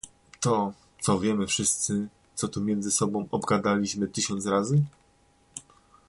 "To, co wiemy wszyscy, co tu między sobą obgadaliśmy tysiąc razy?..."